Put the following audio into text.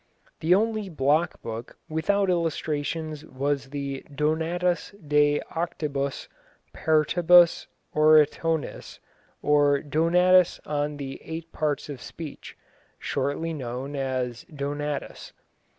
The only block book without illustrations was the Donatus de octibus partibus orationis, or Donatus on the Eight Parts of Speech, shortly known as Donatus.